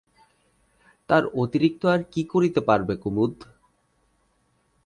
তার অতিরিক্ত আর কী করিতে পারবে কুমুদ?